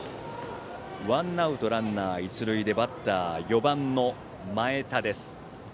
ワンアウトランナー、一塁となってバッターは４番、前田です。